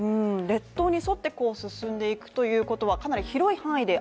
列島に沿って進んでいくということはかなり広い範囲で